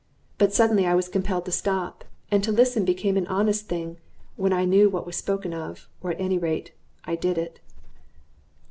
But suddenly I was compelled to stop; and to listen became an honest thing, when I knew what was spoken of or, at any rate, I did it.